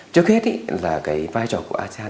trước hết thì là cái vai trò của asean